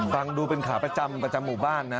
ฟังดูเป็นขาประจำประจำหมู่บ้านนะ